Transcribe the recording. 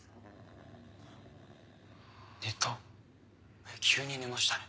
寝た急に寝ましたね。